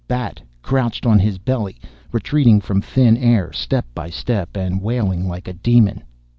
Bat, crouched on his belly, retreating from thin air step by step and wailing like a demon.